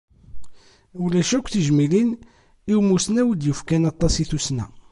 Ulac akk tijmilin i umussnaw i d-yefkan aṭas i tussna.